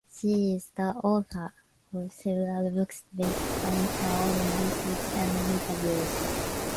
She is the author of several books based on her own research and interviews.